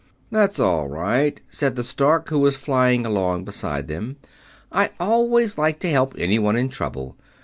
"That's all right," said the Stork, who was flying along beside them. "I always like to help anyone in trouble.